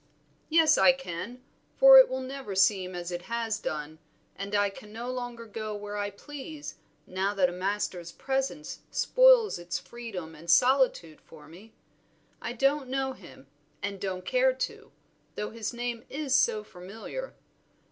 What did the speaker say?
"Yes I can, for it will never seem as it has done, and I can no longer go where I please now that a master's presence spoils its freedom and solitude for me. I don't know him, and don't care to, though his name is so familiar.